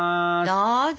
どうぞ！